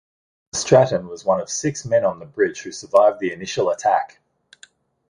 Stratton was one of six men on the bridge who survived the initial attack.